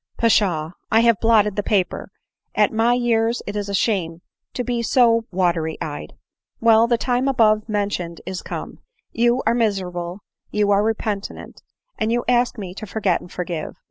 — (Pshaw ! I have blotted the paper ; at my years it is a shame to be so watery eyed.) Well — the time above mentioned is come — you are miserable, you are repentant — and you ask me to forget and forgive.